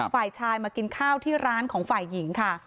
ฝ่ายชายมากินข้าวที่ร้านของฝ่ายหญิงค่ะ